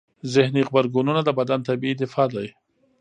ذهني غبرګونونه د بدن طبیعي دفاع دی.